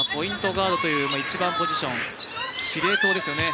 ガードという１番ポジション司令塔ですよね。